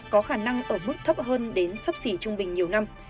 có khả năng ở mức thấp hơn đến sấp xỉ trung bình nhiều năm